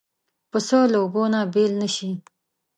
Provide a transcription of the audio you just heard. پسه له اوبو نه بېل نه شي.